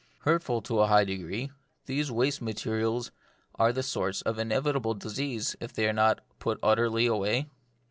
Hurtful to a high degree, these waste materials are the source of inevitable disease if they are not put utterly away